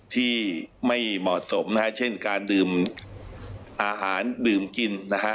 ที่ไม่เหมาะสมนะฮะเช่นการดื่มอาหารดื่มกินนะฮะ